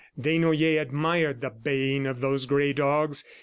Desnoyers admired the baying of those gray dogs.